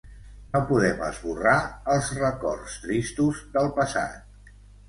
No podem esborrar els records tristos del passat.